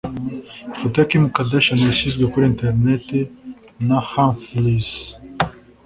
Ifoto ya Kim Kadashian yashyizwe kuri ‘internet’ na Humphries